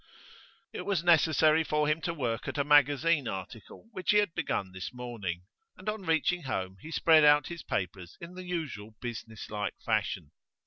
It was necessary for him to work at a magazine article which he had begun this morning, and on reaching home he spread out his papers in the usual businesslike fashion.